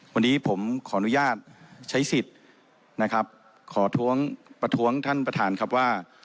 วันนี้ผมขออนุญาตใช้สิทธิ์นะครับขอท้วงประท้วงท่านประธานครับว่า